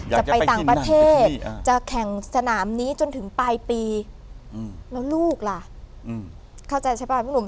จะไปต่างประเทศจะแข่งสนามนี้จนถึงปลายปีแล้วลูกล่ะเข้าใจใช่ป่ะพี่หนุ่ม